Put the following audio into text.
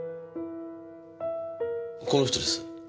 この人です。